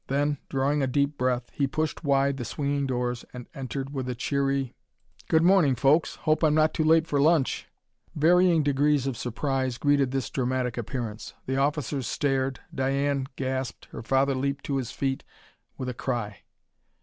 Then, drawing a deep breath, he pushed wide the swinging doors and entered with a cheery: "Good morning, folks! Hope I'm not too late for lunch!" Varying degrees of surprise greeted this dramatic appearance. The officers stared, Diane gasped, her father leaped to has feet with a cry.